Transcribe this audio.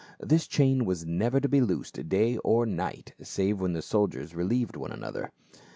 This chain was never to be loosed day or night, save when the soldiers relieved one another.